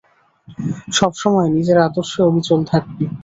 সবসময় নিজের আদর্শে অবিচল থাকবি।